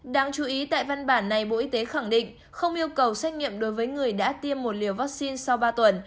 đáng chú ý tại văn bản này bộ y tế khẳng định không yêu cầu xét nghiệm đối với người đã tiêm một liều vaccine sau ba tuần